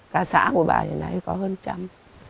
cả xã của bà này có hơn trăm